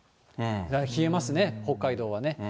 冷えますね、北海道はね。